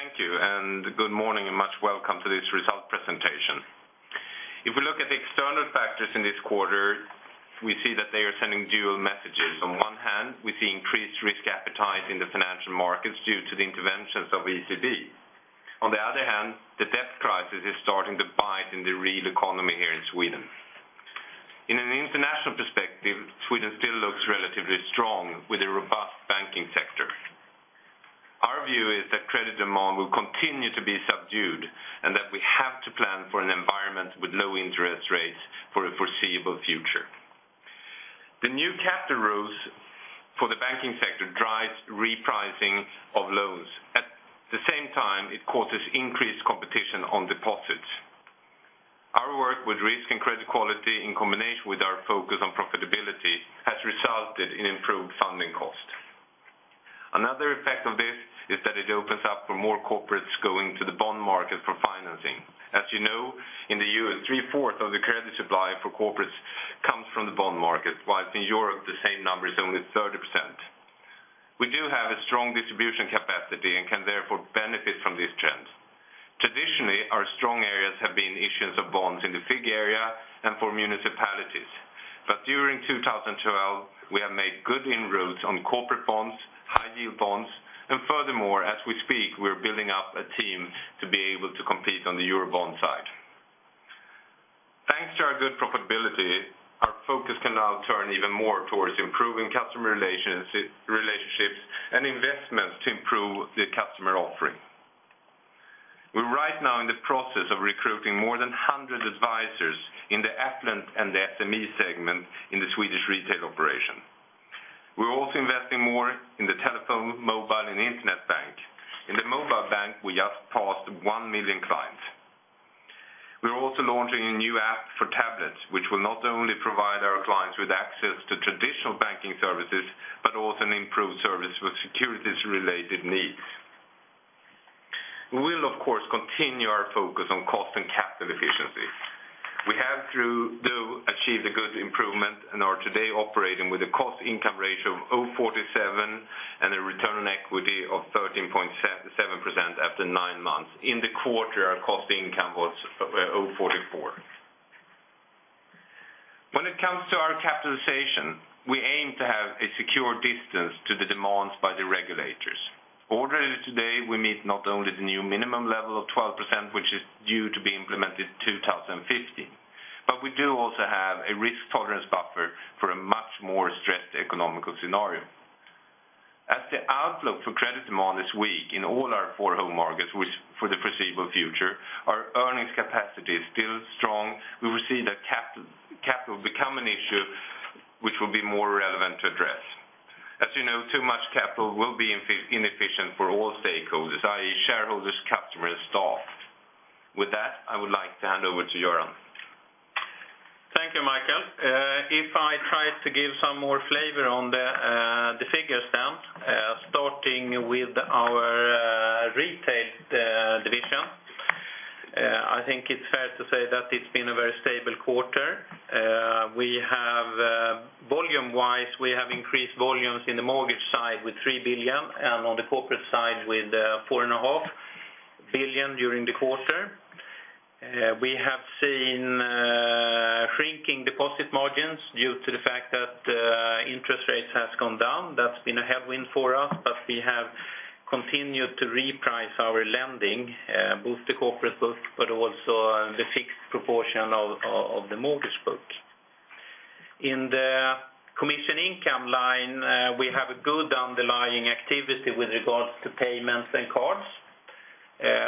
Thank you, and good morning, and much welcome to this result presentation. If we look at the external factors in this quarter, we see that they are sending dual messages. On one hand, we see increased risk appetite in the financial markets due to the interventions of ECB. On the other hand, the debt crisis is starting to bite in the real economy here in Sweden. In an international perspective, Sweden still looks relatively strong with a robust banking sector. Our view is that credit demand will continue to be subdued, and that we have to plan for an environment with low interest rates for a foreseeable future. The new capital rules for the banking sector drives repricing of loans. At the same time, it causes increased competition on deposits. Our work with risk and credit quality, in combination with our focus on profitability, has resulted in improved funding costs. Another effect of this is that it opens up for more corporates going to the bond market for financing. As you know, in the U.S., 3/4 of the credit supply for corporates comes from the bond market, while in Europe, the same number is only 30%. We do have a strong distribution capacity and can therefore benefit from this trend. Traditionally, our strong areas have been issuance of bonds in the FIG area and for municipalities. But during 2012, we have made good inroads on corporate bonds, high-yield bonds, and furthermore, as we speak, we're building up a team to be able to compete on the Eurobond side. Thanks to our good profitability, our focus can now turn even more towards improving customer relationships and investments to improve the customer offering. We're right now in the process of recruiting more than 100 advisors in the Affluent and the SME segment in the Swedish retail operation. We're also investing more in the telephone, mobile, and internet bank. In the mobile bank, we just passed 1 million clients. We're also launching a new app for tablets, which will not only provide our clients with access to traditional banking services, but also an improved service with securities-related needs. We will, of course, continue our focus on cost and capital efficiency. We have through, though, achieved a good improvement and are today operating with a cost-income ratio of 0.47 and a return on equity of 13.7% after nine months. In the quarter, our cost income was 0.44. When it comes to our capitalization, we aim to have a secure distance to the demands by the regulators. Already today, we meet not only the new minimum level of 12%, which is due to be implemented 2015, but we do also have a risk tolerance buffer for a much more stressed economic scenario. As the outlook for credit demand is weak in all our four home markets, which for the foreseeable future, our earnings capacity is still strong. We will see that capital, capital become an issue which will be more relevant to address. As you know, too much capital will be inefficient for all stakeholders, i.e., shareholders, customers, staff. With that, I would like to hand over to Göran. Thank you, Michael. If I try to give some more flavor on the figures down, starting with our retail division, I think it's fair to say that it's been a very stable quarter. Volume-wise, we have increased volumes in the mortgage side with 3 billion and on the corporate side with 4.5 billion during the quarter. We have seen shrinking deposit margins due to the fact that interest rates has gone down. That's been a headwind for us, but we have continued to reprice our lending both the corporate book, but also the fixed proportion of the mortgage book. In the commission income line, we have a good underlying activity with regards to payments and cards,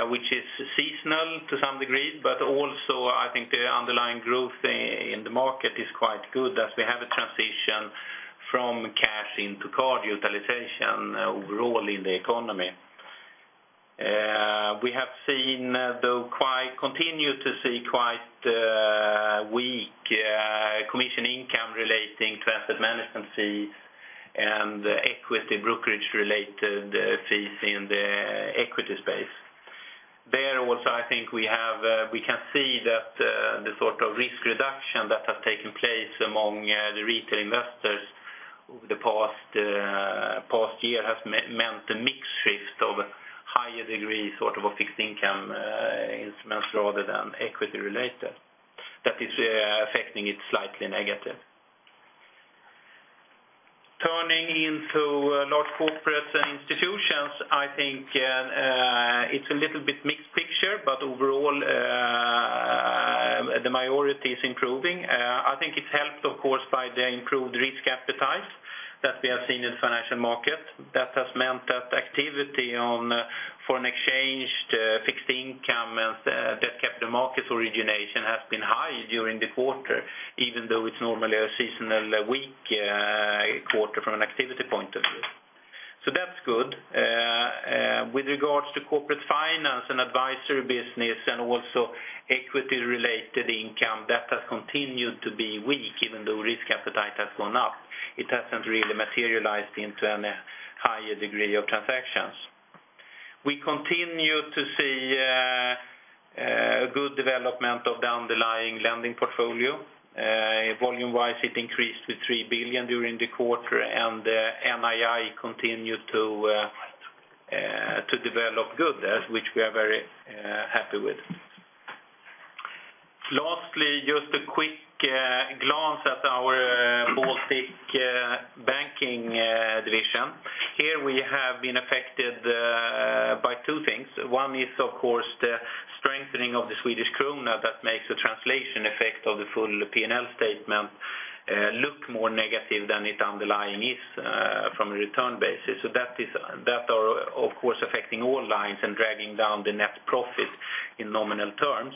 which is seasonal to some degree, but also, I think the underlying growth in the market is quite good as we have a transition from cash into card utilization overall in the economy. We have seen, though, continue to see quite weak commission income relating to asset management fees and equity brokerage-related fees in the equity space. There also, I think we have, we can see that the sort of risk reduction that has taken place among the retail investors over the past year has meant a mix shift of higher degree, sort of a fixed income instruments rather than equity-related. That is affecting it slightly negative. Turning into large corporates and institutions, I think, it's a little bit mixed picture, but overall, the majority is improving. I think it's helped, of course, by the improved risk appetite that we have seen in the financial market. That has meant that activity on foreign exchange, fixed income, and, debt capital markets origination has been high during the quarter, even though it's normally a seasonally weak, quarter from an activity point of view. So that's good. With regards to corporate finance and advisory business and also equity-related income, that has continued to be weak, even though risk appetite has gone up. It hasn't really materialized into any higher degree of transactions. We continue to see...... a good development of the underlying lending portfolio. Volume-wise, it increased to 3 billion during the quarter, and NII continued to develop good, as which we are very happy with. Lastly, just a quick glance at our Baltic Banking division. Here we have been affected by two things. One is, of course, the strengthening of the Swedish krona that makes the translation effect of the full P&L statement look more negative than its underlying is from a return basis. So that is - that are, of course, affecting all lines and dragging down the net profit in nominal terms.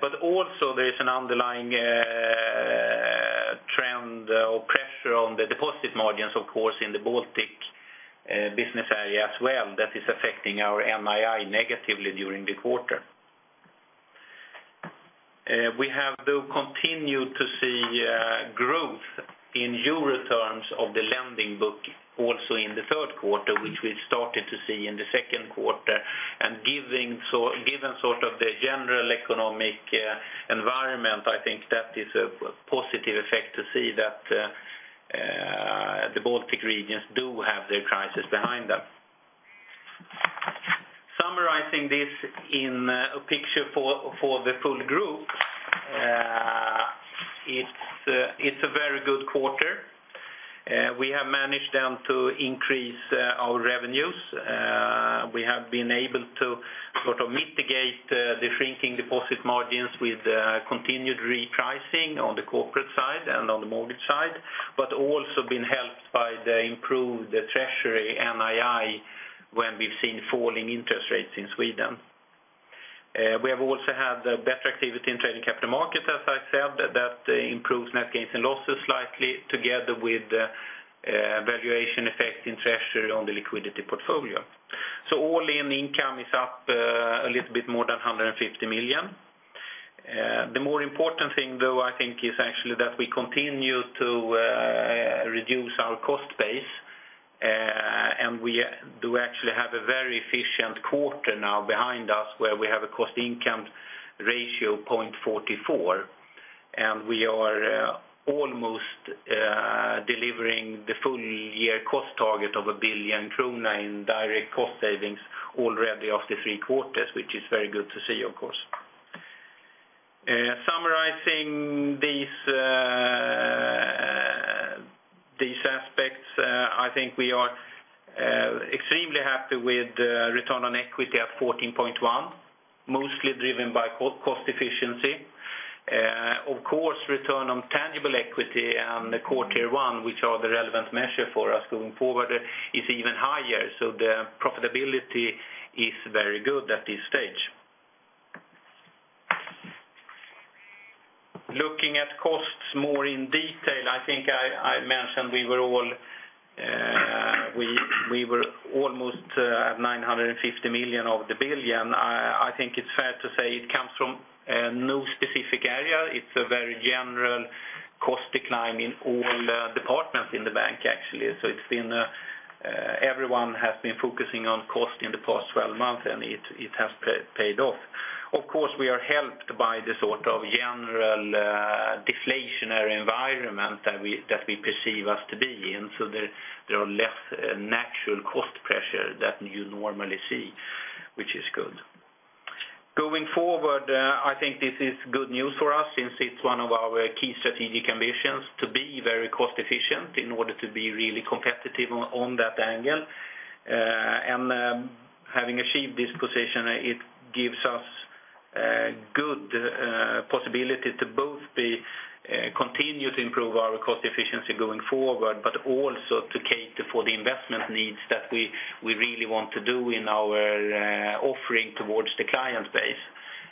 But also there is an underlying trend or pressure on the deposit margins, of course, in the Baltic business area as well, that is affecting our NII negatively during the quarter. We have though continued to see growth in euro terms of the lending book also in the third quarter, which we started to see in the second quarter, and given sort of the general economic environment, I think that is a positive effect to see that the Baltic regions do have their crisis behind them. Summarizing this in a picture for the full group, it's a very good quarter. We have managed then to increase our revenues. We have been able to sort of mitigate the shrinking deposit margins with continued repricing on the corporate side and on the mortgage side, but also been helped by the improved treasury NII, when we've seen falling interest rates in Sweden. We have also had better activity in trading capital markets, as I said, that improves net gains and losses slightly, together with valuation effect in treasury on the liquidity portfolio. So all in income is up a little bit more than 150 million. The more important thing, though, I think, is actually that we continue to reduce our cost base, and we do actually have a very efficient quarter now behind us, where we have a cost-income ratio of 0.44, and we are almost delivering the full year cost target of 1 billion krona in direct cost savings already of the three quarters, which is very good to see, of course. Summarizing these aspects, I think we are extremely happy with the return on equity at 14.1%, mostly driven by cost efficiency. Of course, return on tangible equity and the Core Tier 1, which are the relevant measure for us going forward, is even higher, so the profitability is very good at this stage. Looking at costs more in detail, I think I mentioned we were almost at 950 million of the 1 billion. I think it's fair to say it comes from no specific area. It's a very general cost decline in all departments in the bank, actually. So it's been... Everyone has been focusing on cost in the past 12 months, and it has paid off. Of course, we are helped by the sort of general, deflationary environment that we perceive us to be in, so there are less natural cost pressure that you normally see, which is good. Going forward, I think this is good news for us, since it's one of our key strategic ambitions to be very cost efficient in order to be really competitive on that angle. And having achieved this position, it gives us good possibility to both be continue to improve our cost efficiency going forward, but also to cater for the investment needs that we really want to do in our offering towards the client base,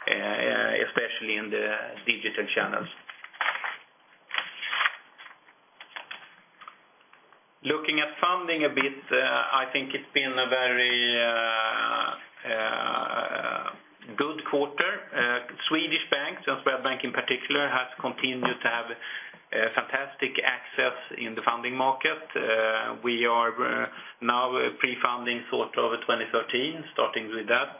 especially in the digital channels. Looking at funding a bit, I think it's been a very good quarter. Swedish banks, and Swedbank in particular, has continued to have fantastic access in the funding market. We are now pre-funding sort of 2013, starting with that.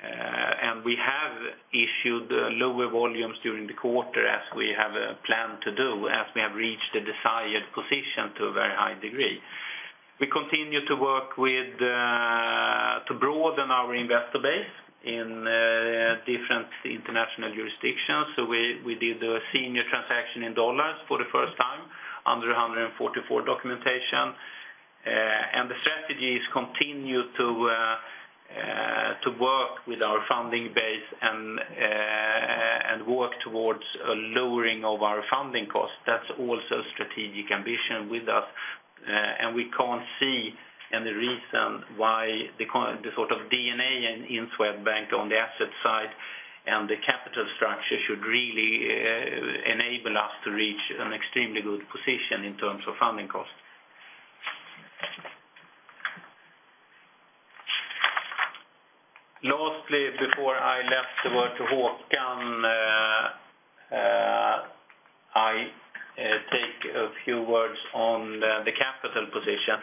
And we have issued lower volumes during the quarter, as we have planned to do, as we have reached the desired position to a very high degree. We continue to work with to broaden our investor base in different international jurisdictions. So we did a senior transaction in dollars for the first time under 144 documentation. And the strategy is continue to to work with our funding base and and work towards a lowering of our funding costs. That's also strategic ambition with us, and we can't see any reason why the sort of DNA in Swedbank on the asset side and the capital structure should really enable us to reach an extremely good position in terms of funding costs. Lastly, before I let the word to Håkan, the capital position.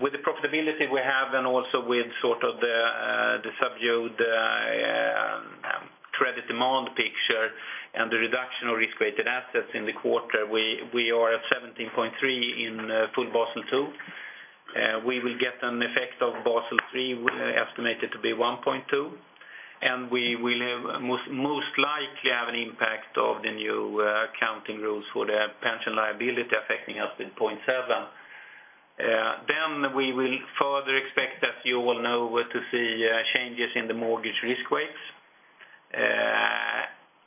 With the profitability we have and also with sort of the subdued credit demand picture and the reduction of risk-weighted assets in the quarter, we are at 17.3 in full Basel II. We will get an effect of Basel III, estimated to be 1.2, and we will most likely have an impact of the new accounting rules for the pension liability affecting us with 0.7. Then we will further expect, as you all know, to see changes in the mortgage risk weights.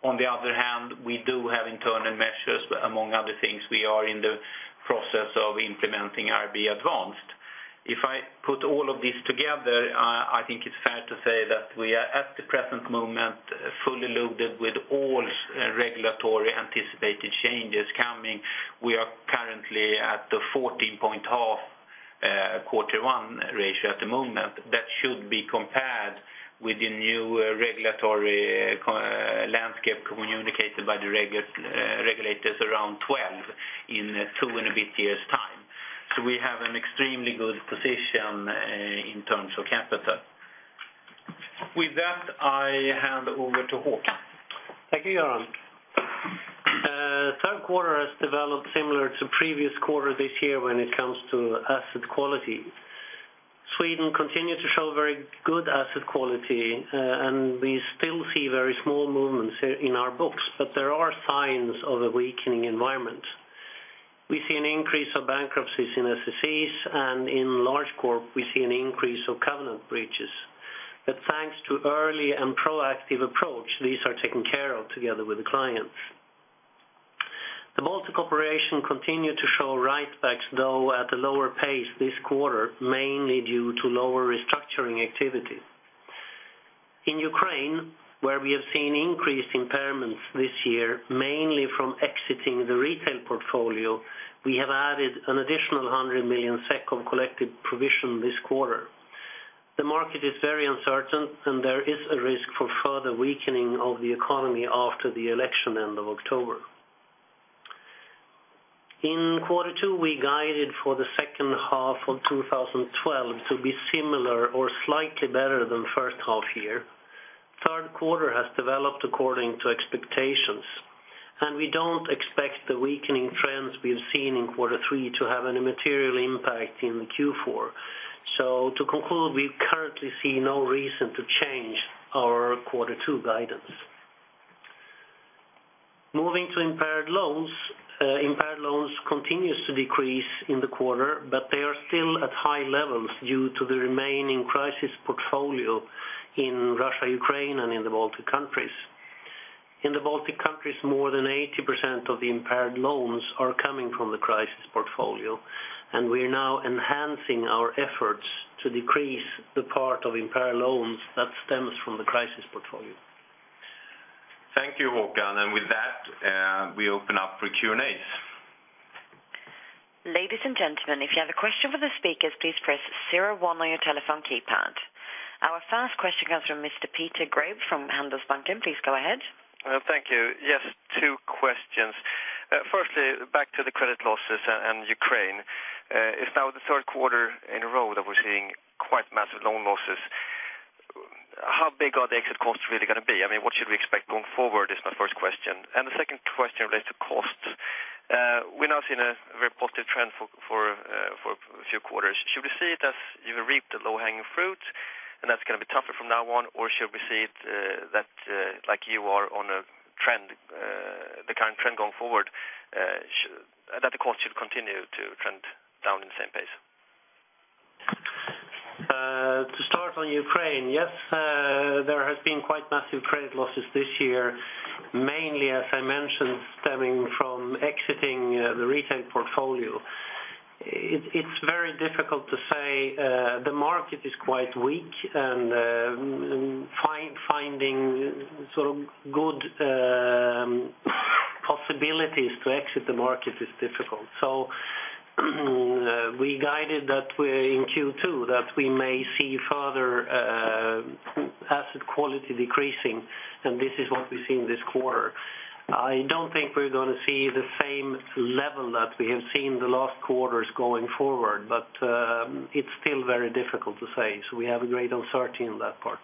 On the other hand, we do have internal measures, among other things, we are in the process of implementing IRB Advanced. If I put all of this together, I think it's fair to say that we are, at the present moment, fully loaded with all regulatory anticipated changes coming. We are currently at the 14.5 Core Tier 1 ratio at the moment. That should be compared with the new regulatory landscape communicated by the regulators around 12 in two and a bit years' time. So we have an extremely good position in terms of capital. With that, I hand over to Håkan. Thank you, Göran. Third quarter has developed similar to previous quarter this year when it comes to asset quality. Sweden continued to show very good asset quality, and we still see very small movements in our books, but there are signs of a weakening environment. We see an increase of bankruptcies in SMEs, and in large corp, we see an increase of covenant breaches. But thanks to early and proactive approach, these are taken care of together with the clients. The Baltic operation continued to show write-backs, though at a lower pace this quarter, mainly due to lower restructuring activity. In Ukraine, where we have seen increased impairments this year, mainly from exiting the retail portfolio, we have added an additional 100 million SEK of collective provision this quarter. The market is very uncertain, and there is a risk for further weakening of the economy after the election end of October. In quarter two, we guided for the second half of 2012 to be similar or slightly better than first half year. Third quarter has developed according to expectations, and we don't expect the weakening trends we've seen in quarter three to have any material impact in Q4. So to conclude, we currently see no reason to change our quarter two guidance. Moving to impaired loans. Impaired loans continues to decrease in the quarter, but they are still at high levels due to the remaining crisis portfolio in Russia, Ukraine, and in the Baltic countries. In the Baltic countries, more than 80% of the impaired loans are coming from the crisis portfolio, and we are now enhancing our efforts to decrease the part of impaired loans that stems from the crisis portfolio. Thank you, Håkan, and with that, we open up for Q&As. Ladies and gentlemen, if you have a question for the speakers, please press zero one on your telephone keypad. Our first question comes from Mr. Peter Grabe from Handelsbanken. Please go ahead. Thank you. Yes, two questions. Firstly, back to the credit losses and Ukraine. It's now the third quarter in a row that we're seeing quite massive loan losses. How big are the exit costs really gonna be? I mean, what should we expect going forward, is my first question. And the second question relates to costs. We're now seeing a very positive trend for a few quarters. Should we see it as you've reaped the low-hanging fruit, and that's gonna be tougher from now on, or should we see it that like you are on a trend the current trend going forward that the cost should continue to trend down in the same pace? To start on Ukraine, yes, there has been quite massive credit losses this year, mainly, as I mentioned, stemming from exiting the retail portfolio. It's very difficult to say, the market is quite weak, and finding sort of good possibilities to exit the market is difficult. So, we guided that we're in Q2, that we may see further asset quality decreasing, and this is what we see in this quarter. I don't think we're gonna see the same level that we have seen the last quarters going forward, but it's still very difficult to say, so we have a great uncertainty in that part.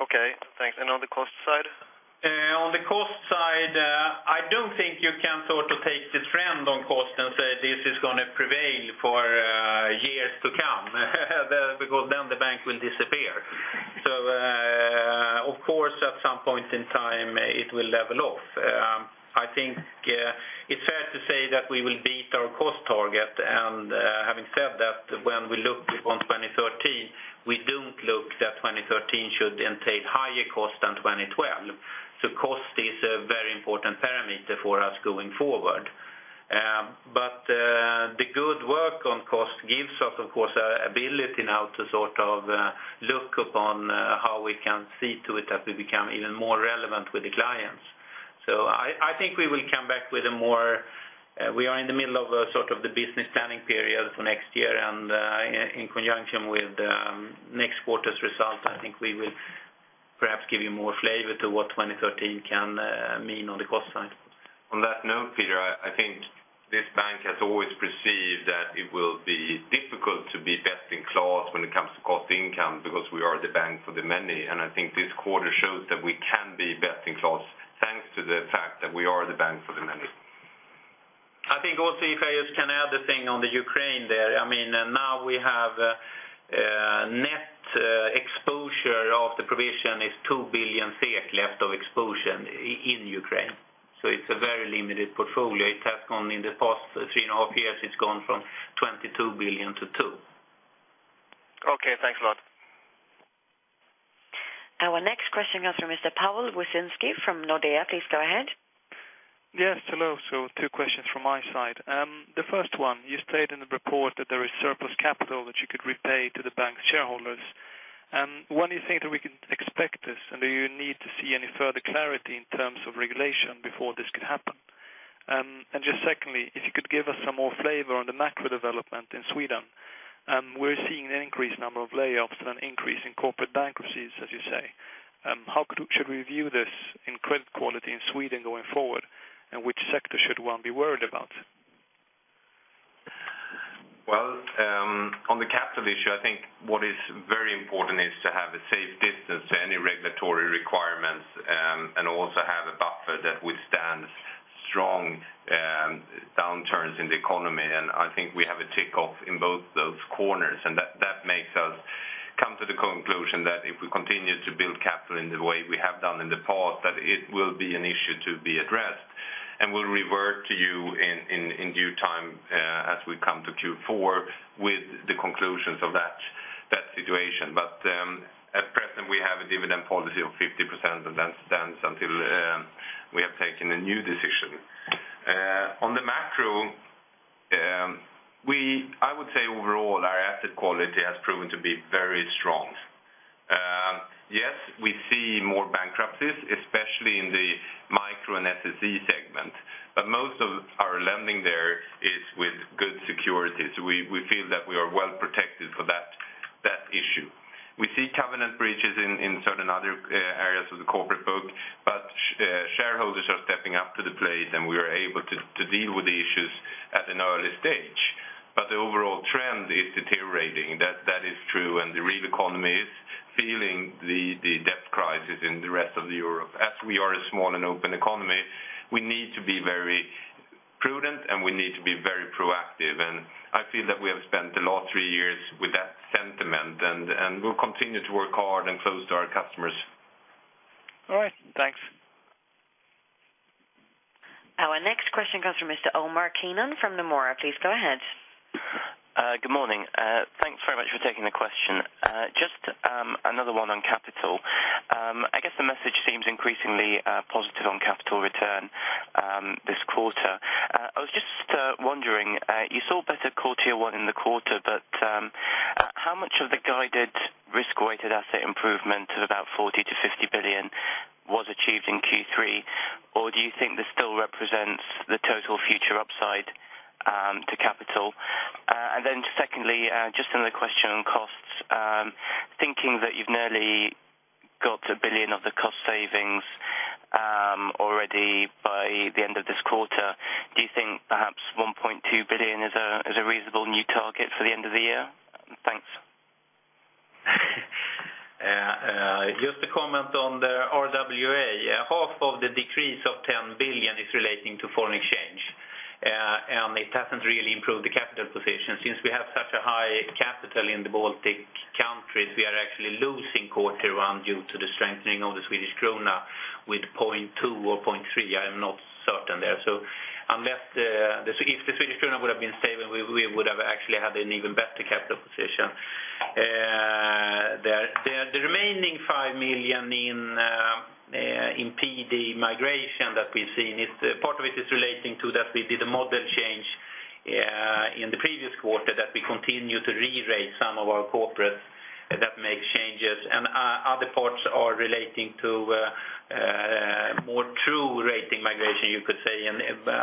Okay, thanks. On the cost side? On the cost side, I don't think you can sort of take the trend on cost and say, this is gonna prevail for years to come, because then the bank will disappear. So, of course, at some point in time, it will level off. I think it's fair to say that we will beat our cost target, and having said that, when we look upon 2013, we don't look that 2013 should entail higher cost than 2012. So cost is a very important parameter for us going forward. But the good work on cost gives us, of course, a ability now to sort of look upon how we can see to it that we become even more relevant with the clients. So, I think we will come back. We are in the middle of a sort of the business planning period for next year, and in conjunction with next quarter's results, I think we will perhaps give you more flavor to what 2013 can mean on the cost side. On that note, Peter, I think this bank has always perceived that it will be difficult to be best in class when it comes to cost income, because we are the bank for the many. And I think this quarter shows that we can be best in class, thanks to the fact that we are the bank for the many. I think also, if I just can add the thing on the Ukraine there, I mean, now we have net exposure of the provision is 2 billion left of exposure in Ukraine. So it's a very limited portfolio. It has gone in the past three and a half years, it's gone from 22 billion to 2 billion. Okay, thanks a lot. Our next question comes from Mr. Pawel Wyszynski from Nordea. Please go ahead. Yes, hello. So two questions from my side. The first one, you stated in the report that there is surplus capital that you could repay to the bank's shareholders. When do you think that we can expect this? And do you need to see any further clarity in terms of regulation before this could happen? And just secondly, if you could give us some more flavor on the macro development in Sweden. We're seeing an increased number of layoffs and an increase in corporate bankruptcies, as you say. How should we view this in credit quality in Sweden going forward, and which sector should one be worried about? Well, on the capital issue, I think what is very important is to have a safe distance to any regulatory requirements, and also have a buffer that withstands strong, downturns in the economy. And I think we have a tick off in both those corners, and that makes us come to the conclusion that if we continue to build capital in the way we have done in the past, that it will be an issue to be addressed. And we'll revert to you in due time, as we come to Q4 with the conclusions of that situation. But, at present, we have a dividend policy of 50%, and that stands until we have taken a new decision. On the macro, we I would say overall, our asset quality has proven to be very strong. Yes, we see more bankruptcies, especially in the micro and SSE segment, but most of our lending there is with good securities. We feel that we are well protected for that issue. We see covenant breaches in certain other areas of the corporate book, but shareholders are stepping up to the plate, and we are able to deal with the issues at an early stage. But the overall trend is deteriorating. That is true, and the real economy is feeling the debt crisis in the rest of Europe. As we are a small and open economy, we need to be very prudent, and we need to be very proactive. And I feel that we have spent the last three years with that sentiment, and we'll continue to work hard and close to our customers. All right. Thanks. Our next question comes from Mr. Omar Keenan from Nomura. Please go ahead. Good morning. Thanks very much for taking the question. Just another one on capital. I guess the message seems increasingly positive on capital return this quarter. I was just wondering, you saw better Core Tier 1 in the quarter, but how much of the guided risk-weighted asset improvement of about 40 billion-50 billion was achieved in Q3? Or do you think this still represents the total future upside to capital? And then secondly, just another question on costs. Thinking that you've nearly got 1 billion of the cost savings already by the end of this quarter, do you think perhaps 1.2 billion is a reasonable new target for the end of the year? Thanks. Just to comment on the RWA. Half of the decrease of 10 billion is relating to foreign exchange, and it hasn't really improved the capital position. Since we have such a high capital in the Baltic countries, we are actually losing Core Tier 1 due to the strengthening of the Swedish krona with 0.2 or 0.3. I am not certain there. If the Swedish krona would have been stable, we would have actually had an even better capital position. The remaining 5 million in PD migration that we've seen, it's part of it is relating to that we did a model change in the previous quarter, that we continue to re-rate some of our corporates that make changes. Other parts are relating to more true rating migration, you could say, and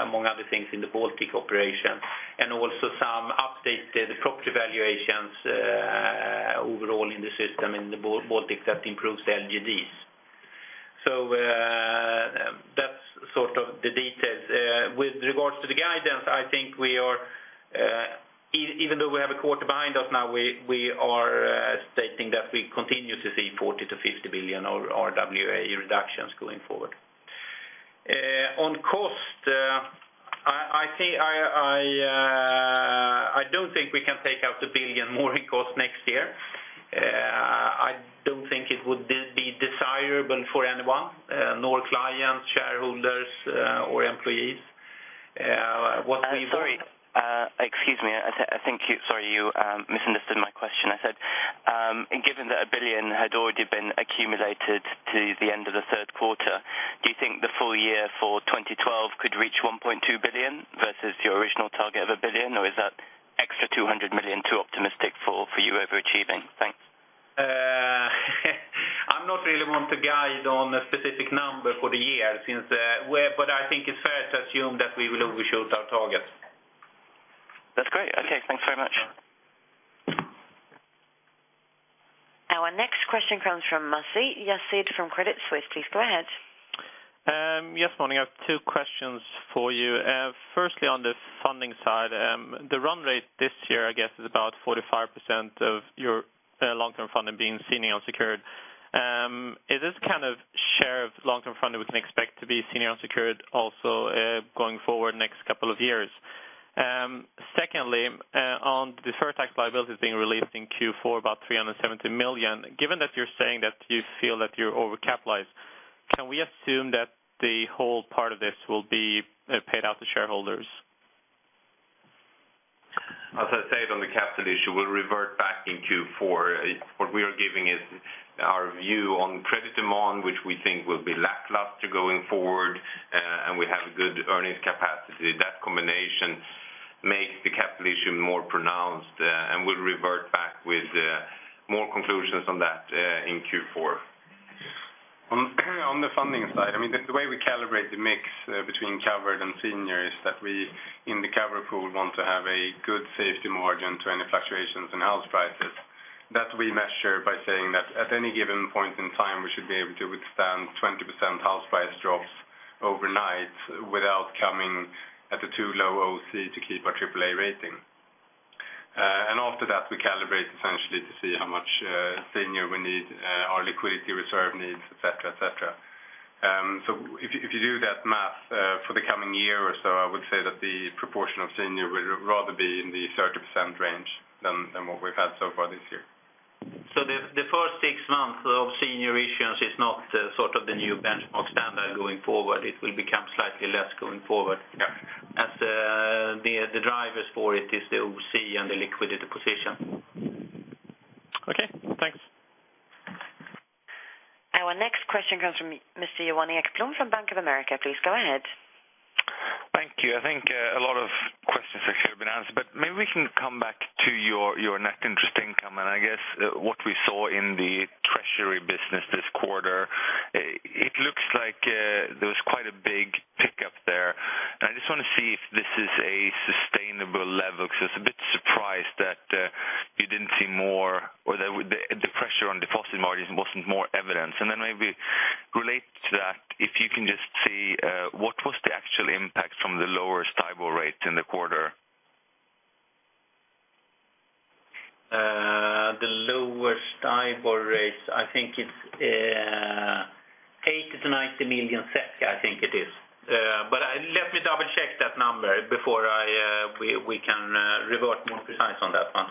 among other things, in the Baltic operation, and also some updated property valuations overall in the system, in the Baltic, that improves the LGDs. So, that's sort of the details. With regards to the guidance, I think we are, even though we have a quarter behind us now, we are stating that we continue to see 40 billion- 50 billion of RWA reductions going forward. On cost, I think I don't think we can take out 1 billion more in cost next year. I don't think it would be desirable for anyone, nor clients, shareholders, or employees. What we want- Sorry, excuse me. I think you—Sorry, you, misunderstood my question. I said, and given that 1 billion had already been accumulated to the end of the third quarter, do you think the full year for 2012 could reach 1.2 billion versus your original target of 1 billion, or is that- ...for you over achieving? Thanks. I'm not really one to guide on a specific number for the year since, but I think it's fair to assume that we will overshoot our target. That's great. Okay, thanks very much. Our next question comes from Masih Yazdi from Credit Suisse. Please go ahead. Yes, morning. I have two questions for you. Firstly, on the funding side, the run rate this year, I guess, is about 45% of your long-term funding being senior unsecured. Is this kind of share of long-term funding we can expect to be senior unsecured also going forward next couple of years? Secondly, on the deferred tax liability being released in Q4, about 370 million. Given that you're saying that you feel that you're overcapitalized, can we assume that the whole part of this will be paid out to shareholders? As I said, on the capital issue, we'll revert back in Q4. What we are giving is our view on credit demand, which we think will be lackluster going forward, and we have a good earnings capacity. That combination makes the capital issue more pronounced, and we'll revert back with, more conclusions on that, in Q4. On the funding side, I mean, the way we calibrate the mix between covered and senior is that we, in the cover pool, want to have a good safety margin to any fluctuations in house prices. That we measure by saying that at any given point in time, we should be able to withstand 20% house price drops overnight without coming at a too low OC to keep our AAA rating. And after that, we calibrate essentially to see how much senior we need, our liquidity reserve needs, et cetera, et cetera. So if you do that math for the coming year or so, I would say that the proportion of senior will rather be in the 30% range than what we've had so far this year. So the first six months of senior issuance is not the sort of the new benchmark standard going forward. It will become slightly less going forward. Yeah. As, the drivers for it is the OC and the liquidity position. Okay, thanks. Our next question comes from Mr. Johan Ekblom from Bank of America. Please go ahead. Thank you. I think, a lot of questions actually have been answered, but maybe we can come back to your, your net interest income. And I guess, what we saw in the treasury business this quarter, it looks like, there was quite a big pickup there. And I just want to see if this is a sustainable level, because it's a bit surprised that, you didn't see more, or the, the, the pressure on deposit margins wasn't more evident. And then maybe relate to that, if you can just say, what was the actual impact from the lower STIBOR rates in the quarter? The lower STIBOR rates, I think it's 80 million-90 million SEK, I think it is. But let me double-check that number before I, we can revert more precise on that one.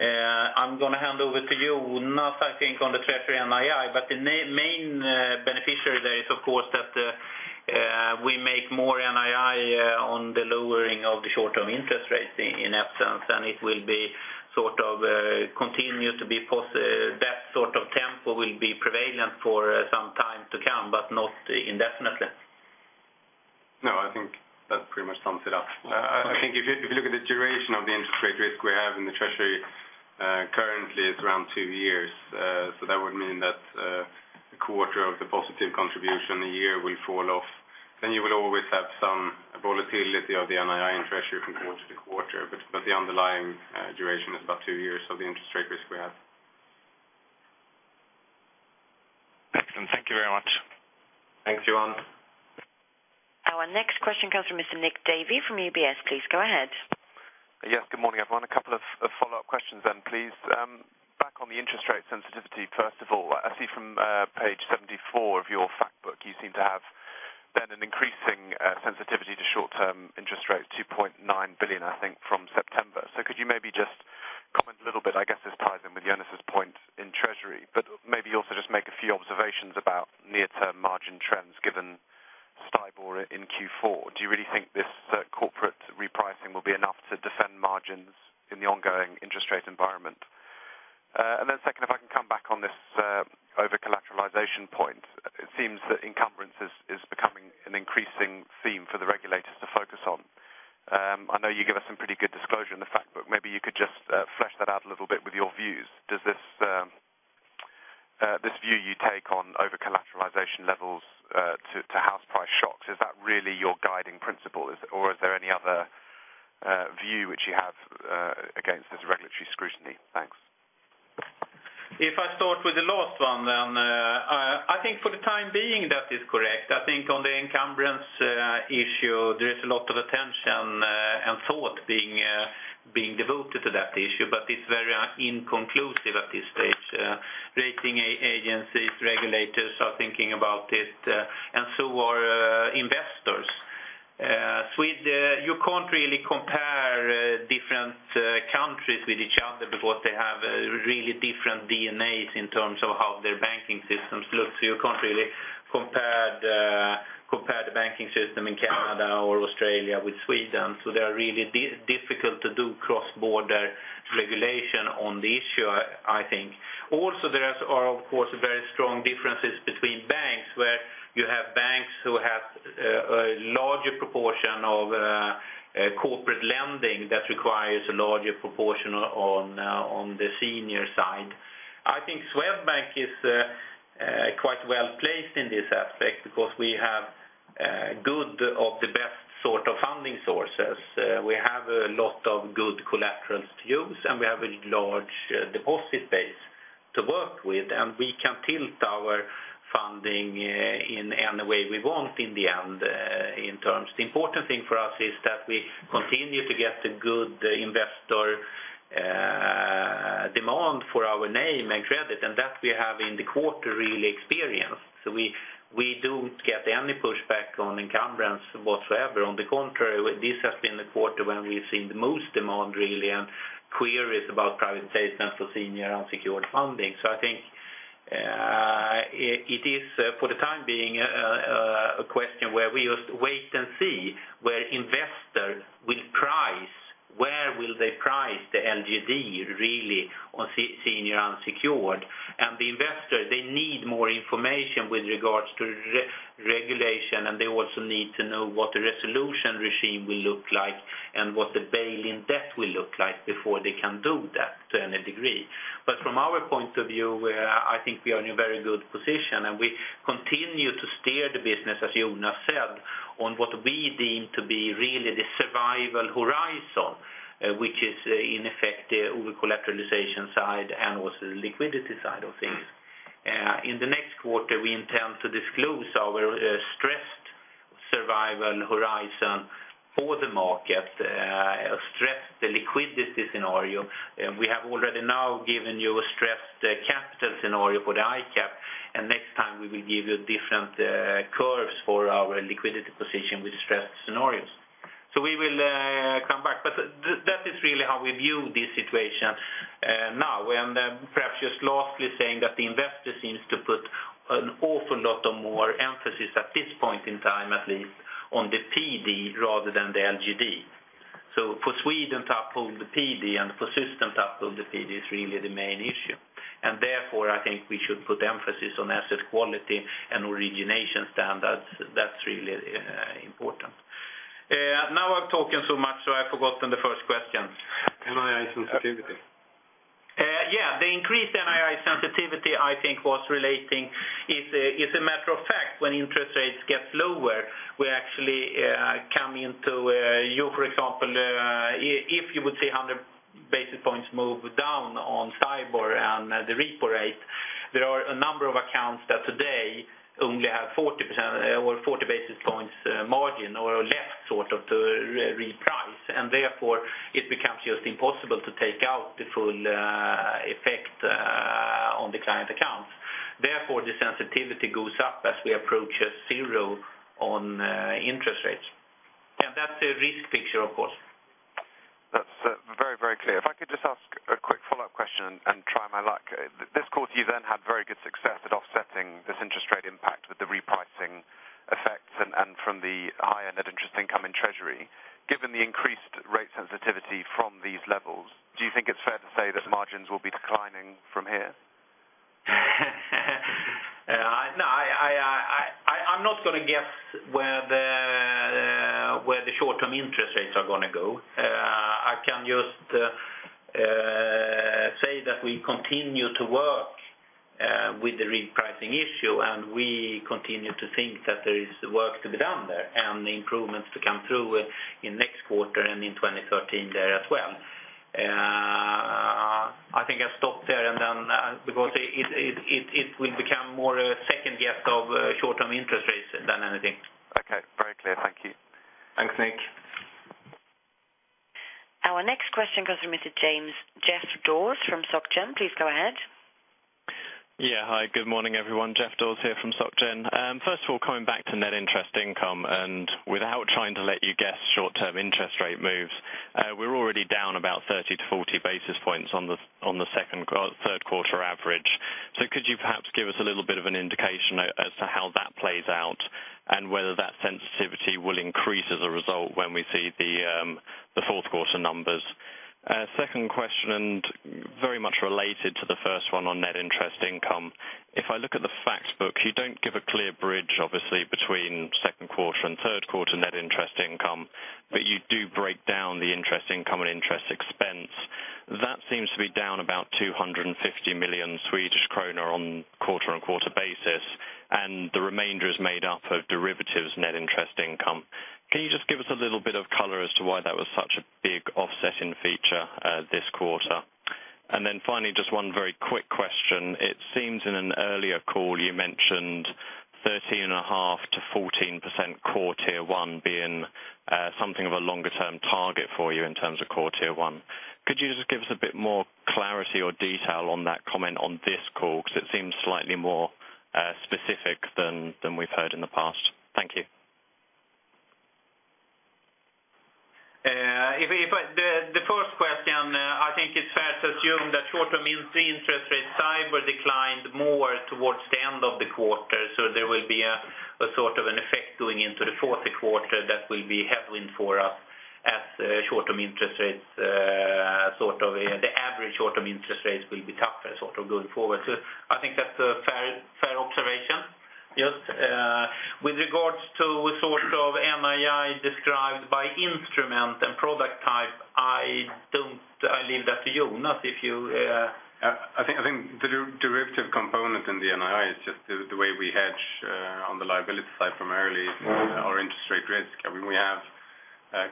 I'm going to hand over to you, Jonas, I think, on the treasury NII, but the main beneficiary there is, of course, that we make more NII on the lowering of the short-term interest rates in essence, and it will be sort of continue to be that sort of tempo will be prevalent for some time to come, but not indefinitely. No, I think that pretty much sums it up. I think if you, if you look at the duration of the interest rate risk we have in the treasury, currently it's around two years. So that would mean that a quarter of the positive contribution a year will fall off. Then you will always have some volatility of the NII and treasury from quarter to quarter. But the underlying duration is about two years of the interest rate risk we have. Excellent. Thank you very much. Thanks, Johan. Our next question comes from Mr. Nick Davey from UBS. Please go ahead. Yes, good morning, everyone. A couple of follow-up questions then, please. Back on the interest rate sensitivity, first of all, I see from page 74 of your fact book, you seem to have then an increasing sensitivity to short-term interest rates, 2.9 billion, I think, from September. So could you maybe just comment a little bit? I guess it's tied in with Jonas's point in treasury, but maybe also just make a few observations about near-term margin trends given STIBOR in Q4. Do you really think this corporate repricing will be enough to defend margins in the ongoing interest rate environment? And then second, if I can come back on this over-collateralization point, it seems that encumbrance is becoming an increasing theme for the regulators to focus on. I know you give us some pretty good disclosure in the fact, but maybe you could just flesh that out a little bit with your views. Does this view you take on over-collateralization levels to house price shocks, is that really your guiding principle? Or is there any other view which you have against this regulatory scrutiny? Thanks. If I start with the last one, then, I think for the time being, that is correct. I think on the encumbrance issue, there is a lot of attention and thought being devoted to that issue, but it's very inconclusive at this stage. Rating agencies, regulators are thinking about it, and so are investors. Sweden, you can't really compare different countries with each other because they have a really different DNAs in terms of how their banking systems look. So you can't really compare the banking system in Canada or Australia with Sweden. So they are really difficult to do cross-border regulation on the issue, I think. Also, there are, of course, very strong differences between banks, where you have banks who have a larger proportion of corporate lending that requires a larger proportion on the senior side. I think Swedbank is quite well placed in this aspect because we have good of the best sort of funding sources. We have a lot of good collaterals to use, and we have a large deposit base to work with, and we can tilt our funding in any way we want in the end in terms. The important thing for us is that we continue to get a good investor demand for our name and credit, and that we have in the quarter really experienced. So we don't get any pushback on encumbrance whatsoever. On the contrary, this has been the quarter when we've seen the most demand, really, and queries about privatization for senior unsecured funding. So I think, it is, for the time being, a question where we just wait and see where investors will price, where will they price the LGD, really, on senior unsecured. And the investor, they need more information with regards to regulation, and they also need to know what the resolution regime will look like and what the bail-in debt will look like before they can do that to any degree. But from our point of view, I think we are in a very good position, and we continue to steer the business, as Jonas said, on what we deem to be really the survival horizon, which is in effect over-collateralization side and also the liquidity side of things. In the next quarter, we intend to disclose our stressed survival horizon for the market stressed liquidity scenario. We have already now given you a stressed capital scenario for the ICAAP, and next time we will give you different curves for our liquidity position with stressed scenarios. So we will come back, but that is really how we view this situation now. And then perhaps just lastly, saying that the investor seems to put an awful lot of more emphasis at this point in time, at least, on the PD rather than the LGD. So for Sweden to uphold the PD and for systems to uphold the PD is really the main issue, and therefore, I think we should put emphasis on asset quality and origination standards. That's really important. Now I've talked so much, so I've forgotten the first question. NII sensitivity. Yeah, the increased NII sensitivity, I think, was relating. It is a matter of fact, when interest rates get lower, we actually come into, you know, for example, if you would see 100 basis points move down on STIBOR and the repo rate, there are a number of accounts that today only have 40% or 40 basis points margin or left, sort of, to reprice, and therefore it becomes just impossible to take out the full effect on the client accounts. Therefore, the sensitivity goes up as we approach zero on interest rates. And that's a risk picture, of course. That's very, very clear. If I could just ask a quick follow-up question and try my luck. This quarter, you then had very good success at offsetting this interest rate impact with the repricing effects and, and from the higher net interest income in treasury. Given the increased rate sensitivity from these levels, do you think it's fair to say that margins will be declining from here? No, I'm not going to guess where the short-term interest rates are gonna go. I can just say that we continue to work with the repricing issue, and we continue to think that there is work to be done there and improvements to come through in next quarter and in 2013 there as well. I think I stop there, and then, because it will become more a second guess of short-term interest rates than anything. Okay, very clear. Thank you. Thanks, Nick. Our next question comes from Mr. Geoff Dawes from Soc Gen. Please go ahead. Yeah. Hi, good morning, everyone. Geoff Dawes here from Soc Gen. First of all, coming back to net interest income, and without trying to let you guess short-term interest rate moves, we're already down about 30-40 basis points on the third quarter average. So could you perhaps give us a little bit of an indication as to how that plays out, and whether that sensitivity will increase as a result when we see the fourth quarter numbers? Second question, and very much related to the first one on net interest income. If I look at the fact book, you don't give a clear bridge, obviously, between second quarter and third quarter net interest income, but you do break down the interest income and interest expense. That seems to be down about 250 million Swedish kronor on a quarter-on-quarter basis, and the remainder is made up of derivatives net interest income. Can you just give us a little bit of color as to why that was such a big offsetting feature this quarter? And then finally, just one very quick question. It seems in an earlier call, you mentioned 13.5%-14% Core Tier 1 being something of a longer-term target for you in terms of Core Tier 1. Could you just give us a bit more clarity or detail on that comment on this call? Because it seems slightly more specific than we've heard in the past. Thank you. If the first question, I think it's fair to assume that short-term interest rates, STIBOR declined more towards the end of the quarter, so there will be a sort of an effect going into the fourth quarter that will be headwind for us as short-term interest rates, sort of, the average short-term interest rates will be tougher, sort of, going forward. So I think that's a fair observation. Just, with regards to sort of NII, I leave that to you, Jonas, if you. I think the derivative component in the NII is just the way we hedge on the liability side primarily, or interest rate risk. I mean, we have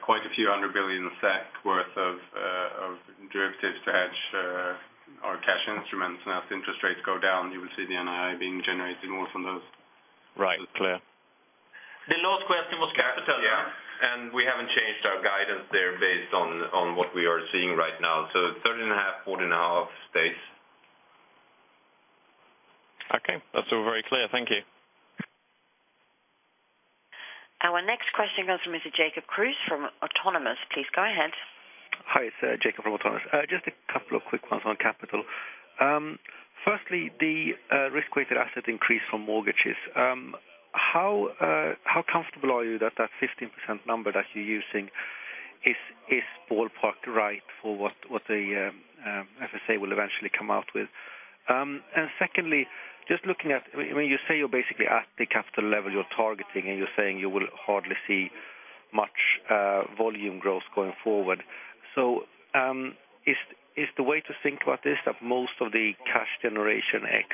quite a few hundred billion SEK worth of derivatives to hedge our cash instruments. As interest rates go down, you will see the NII being generated more from those. Right. Clear. The last question was capital, yeah? Yeah, we haven't changed our guidance there based on what we are seeing right now. 13.5% - 14.5% space. Okay, that's all very clear. Thank you. Our next question comes from Mr. Jacob Kruse from Autonomous. Please go ahead. Hi, it's Jacob from Autonomous. Just a couple of quick ones on capital. Firstly, the risk-weighted asset increase on mortgages. How comfortable are you that that 15% number that you're using is ballparked right for what the FSA will eventually come out with? And secondly, just looking at... When you say you're basically at the capital level you're targeting, and you're saying you will hardly see much volume growth going forward. So, is the way to think about this, that most of the cash generation x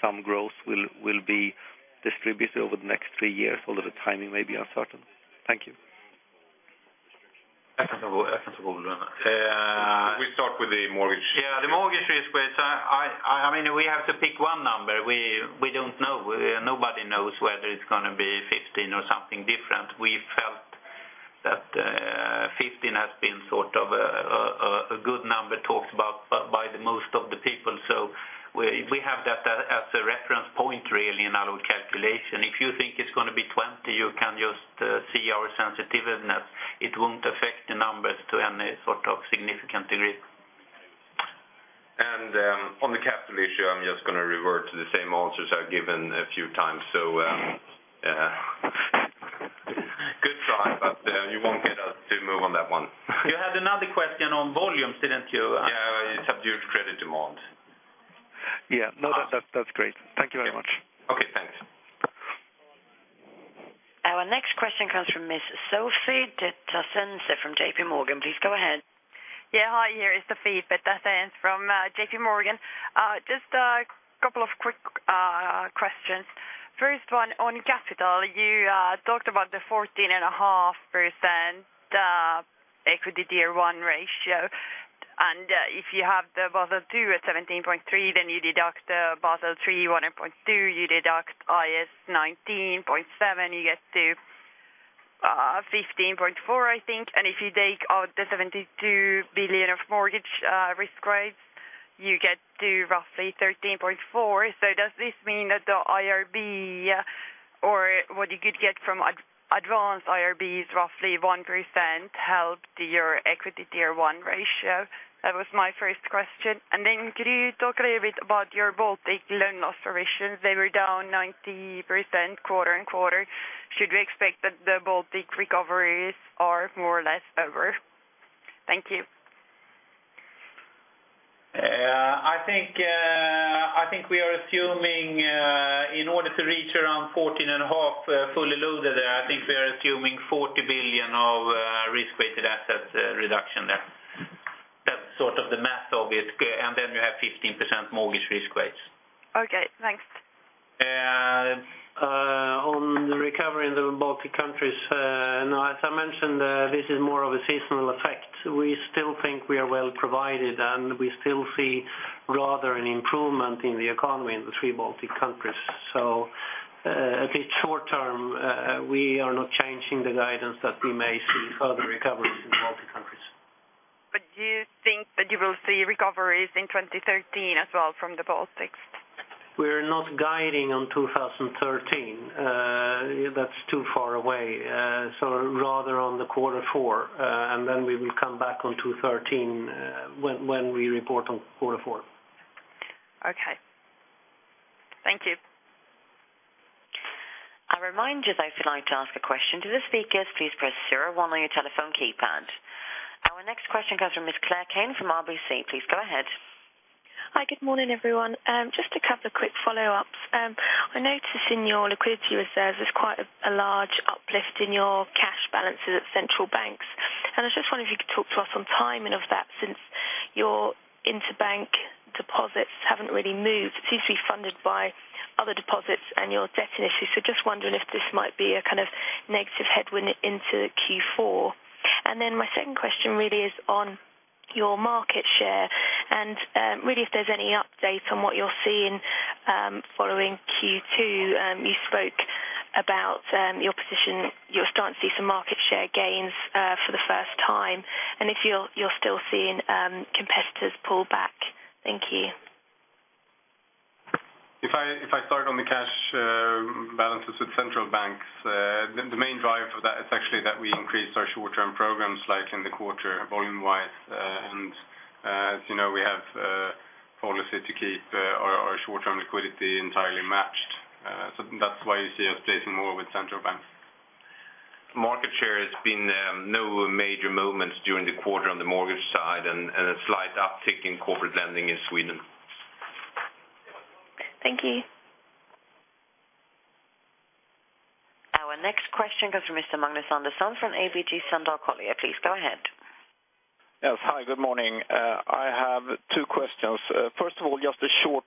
some growth will be distributed over the next three years, although the timing may be uncertain? Thank you. I can start with that. We start with the mortgage. Yeah, the mortgage risk, which I mean, we have to pick one number. We don't know. Nobody knows whether it's gonna be 15 or something different. We felt that 15 has been sort of a good number talked about by the most of the people. So we have that as a reference point, really, in our calculation. If you think it's gonna be 20, you can just see our sensitiveness. It won't affect the numbers to any sort of significant degree. On the capital issue, I'm just gonna revert to the same answers I've given a few times. Good try, but you won't get us to move on that one. You had another question on volumes, didn't you? Yeah, subdued credit demand. Yeah. No, that, that's great. Thank you very much. Okay, thanks. Our next question comes from Miss Sofie Peterzens from JPMorgan. Please go ahead. Yeah, hi, here is Sofie Peterzens from JPMorgan. Just a couple of quick questions. First one, on capital, you talked about the 14.5% Equity Tier 1 ratio. And if you have the Basel II at 17.3, then you deduct the Basel III 1.2, you deduct IAS 19 0.7, you get to 15.4, I think. And if you take out the 72 billion of mortgage risk rates, you get to roughly 13.4. So does this mean that the IRB, or what you could get from advanced IRB, is roughly 1%, helped your equity tier one ratio? That was my first question. And then could you talk a little bit about your Baltic loan loss provisions? They were down 90% quarter-over-quarter. Should we expect that the Baltic recoveries are more or less over? Thank you. I think, I think we are assuming, in order to reach around 14.5%, fully loaded, I think we are assuming 40 billion of risk-weighted assets reduction there. That's sort of the math of it. And then you have 15% mortgage risk weights. Okay, thanks. On the recovery in the Baltic countries, as I mentioned, this is more of a seasonal effect. We still think we are well provided, and we still see rather an improvement in the economy in the three Baltic countries. At least short term, we are not changing the guidance that we may see further recoveries in the Baltic countries. Do you think that you will see recoveries in 2013 as well from the Baltics? We're not guiding on 2013. That's too far away. So rather on the quarter four, and then we will come back on 2013, when we report on quarter four. Okay. Thank you. I remind you that if you'd like to ask a question to the speakers, please press zero one on your telephone keypad. Our next question comes from Ms. Claire Kane from RBC. Please go ahead. Hi, good morning, everyone. Just a couple of quick follow-ups. I noticed in your liquidity reserves, there's quite a large uplift in your cash balances at central banks. And I just wondered if you could talk to us on timing of that, since your interbank deposits haven't really moved. It seems to be funded by other deposits and your debt issues. So just wondering if this might be a kind of negative headwind into Q4. And then my second question really is on your market share, and really if there's any update on what you're seeing following Q2. You spoke about your position, you're starting to see some market share gains for the first time, and if you're, you're still seeing competitors pull back. Thank you. If I start on the cash balances with central banks, the main driver for that is actually that we increased our short-term programs, like in the quarter, volume-wise. And, as you know, we have a policy to keep our short-term liquidity entirely matched. So that's why you see us placing more with central banks. Market share has been no major movements during the quarter on the mortgage side and a slight uptick in corporate lending in Sweden. Thank you. The next question comes from Mr. Magnus Andersson from ABG Sundal Collier. Please go ahead. Yes. Hi, good morning. I have two questions. First of all, just a short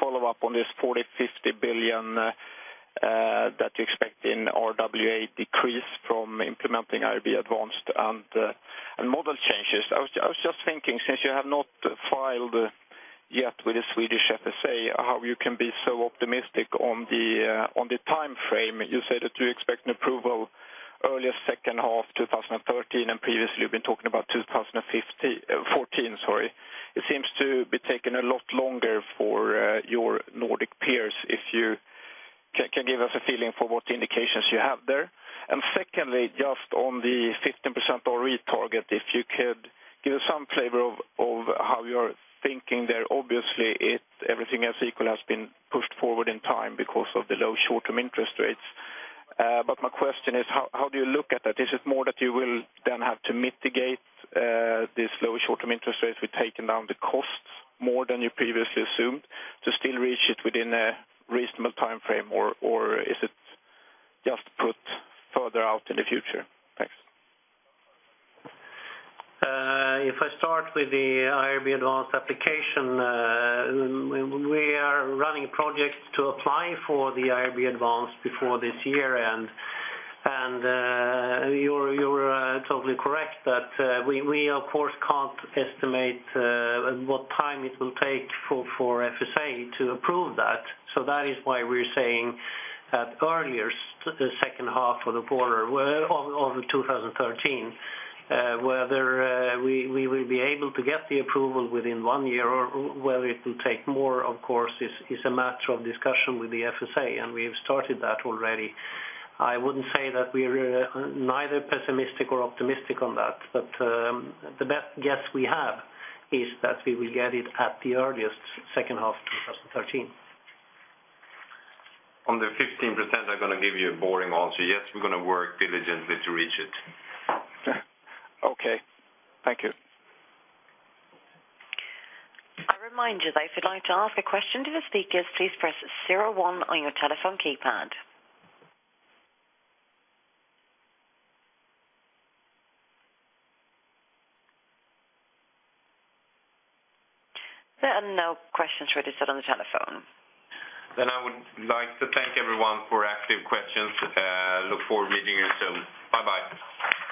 follow-up on this 40-50 billion that you expect in RWA decrease from implementing IRB Advanced and model changes. I was just thinking, since you have not filed yet with the Swedish FSA, how you can be so optimistic on the time frame? You said that you expect an approval earliest second half, 2013, and previously you've been talking about 2014, sorry. It seems to be taking a lot longer for your Nordic peers, if you can give us a feeling for what indications you have there. And secondly, just on the 15% ROE target, if you could give us some flavor of how you're thinking there. Obviously, it... Everything else equal has been pushed forward in time because of the low short-term interest rates. But my question is, how, how do you look at that? Is it more that you will then have to mitigate these low short-term interest rates with taking down the costs more than you previously assumed to still reach it within a reasonable time frame? Or, or is it just put further out in the future? Thanks. If I start with the IRB Advanced application, we are running projects to apply for the IRB Advanced before this year. And, you're totally correct that, we of course can't estimate what time it will take for FSA to approve that. So that is why we're saying at earliest, the second half of the quarter, well, of 2013. Whether we will be able to get the approval within one year or whether it will take more, of course, is a matter of discussion with the FSA, and we have started that already. I wouldn't say that we are neither pessimistic or optimistic on that, but the best guess we have is that we will get it at the earliest second half of 2013. On the 15%, I'm gonna give you a boring answer. Yes, we're gonna work diligently to reach it. Okay. Thank you. A reminder that if you'd like to ask a question to the speakers, please press zero one on your telephone keypad. There are no questions registered on the telephone. I would like to thank everyone for active questions. Look forward to meeting you soon. Bye-bye.